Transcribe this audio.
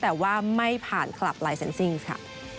แต่ว่าไม่ผ่านคลับลายเซ็นซิ่งค่ะ